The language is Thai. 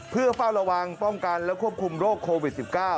เพื่อเฝ้าระวังป้องกันและควบคุมโรคโควิด๑๙